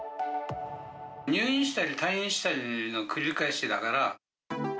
入院したり退院したりの繰り返しだから。